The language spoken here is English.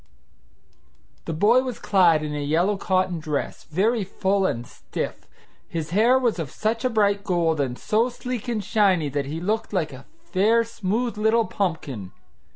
The boy was clad in a yellow cotton dress, very full and stiff. His hair was of such a bright gold, and so sleek and shiny, that he looked like a fair, smooth little pumpkin.